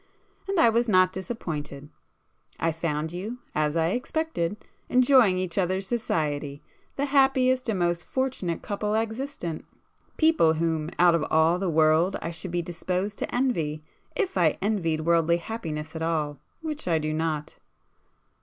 And I was not disappointed,—I found you, as I expected, enjoying each other's society!—the happiest and most fortunate couple existent,—people whom, out of all the world I should be disposed to envy, if I envied worldly happiness at all, which I do not!"